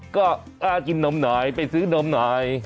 ก็กล้ากินนมหน่อยไปซื้อนมหน่อย